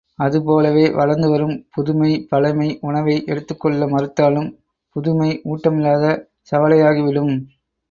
அது போலவே, வளர்ந்துவரும் புதுமை, பழைமை, உணவை எடுத்துக் கொள்ள மறுத்தாலும் புதுமை ஊட்டமில்லாத சவலையாகிவிடும்.